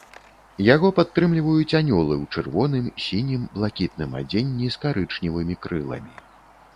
Яго падтрымліваюць анёлы ў чырвоным, сінім, блакітным адзенні з карычневымі крыламі.